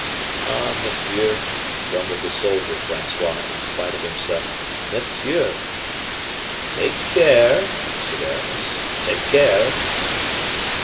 "Ah, monsieur," grumbled the soldier Francois, in spite of himself, "monsieur." "Take care," said Aramis, "take care!"